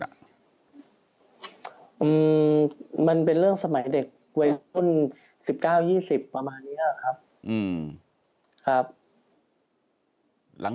มันเป็นเรื่องสมัยเด็กวัยรุ่น๑๙๒๐ประมาณนี้ครับ